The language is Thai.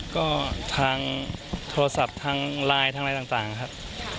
ก็ทางโทรศัพท์ทางไลน์ทางอะไรต่างครับ